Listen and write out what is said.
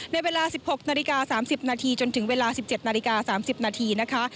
ในเวลา๑๖นาฬิกา๓๐นาทีจนถึงเวลา๑๗นาฬิกา๓๐นาทีนะคะ